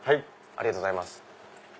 ありがとうございます。